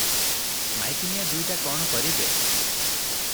ମାଇକିନିଆ ଦୁଇଟା କ’ଣ କରିବେ?